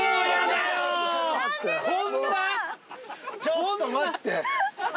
ちょっと待って。